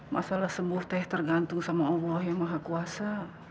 masalah sembuh teh tergantung sama allah yang maha kuasa